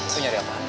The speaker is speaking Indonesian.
tuh nyari apa ando